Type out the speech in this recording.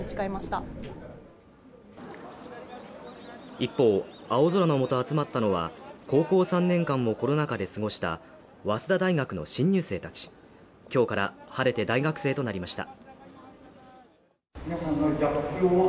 一方、青空のもと集まったのは高校３年間をコロナ禍で過ごした早稲田大学の新入生たち今日から晴れて大学生となりました。